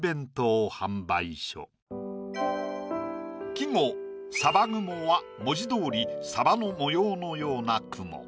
季語「鯖雲」は文字通り鯖の模様のような雲。